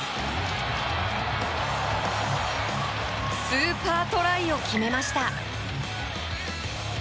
スーパートライを決めました。